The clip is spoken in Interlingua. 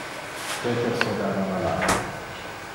Peter se dava malade.